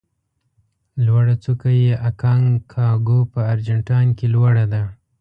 لوړه څوکه یې اکانکاګو په ارجنتاین کې لوړه ده.